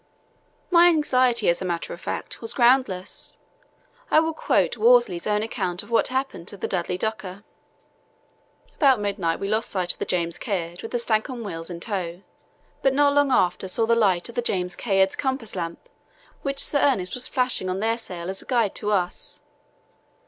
My anxiety, as a matter of fact, was groundless. I will quote Worsley's own account of what happened to the Dudley Docker: "About midnight we lost sight of the James Caird with the Stancomb Wills in tow, but not long after saw the light of the James Caird's compass lamp, which Sir Ernest was flashing on their sail as a guide to us.